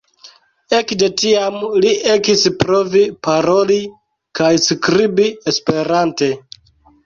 Ekde tiam, Li ekis provi paroli kaj skribi esperante.